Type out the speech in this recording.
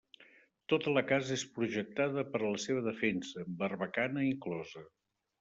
Tota la casa és projectada per a la seva defensa, amb barbacana inclosa.